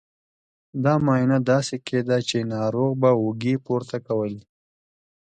دا معاینه داسې کېده چې ناروغ به اوږې پورته کولې.